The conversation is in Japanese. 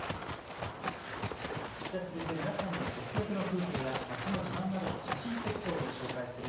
では続いて皆さんのとっておきの風景や街の自慢などを写真とエピソードで紹介する＃